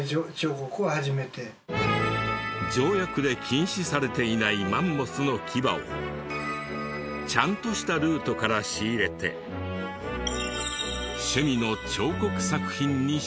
条約で禁止されていないマンモスの牙をちゃんとしたルートから仕入れて趣味の彫刻作品に使用。